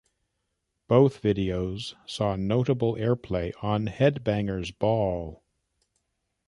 Both videos saw notable airplay on "Headbanger's Ball".